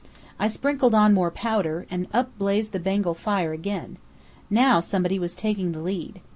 I sprinkled on more powder, and up blazed the Bengal fire again. Now somebody was taking the lead.